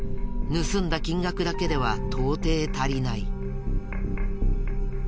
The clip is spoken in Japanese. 盗んだ金額だけでは到底足りない。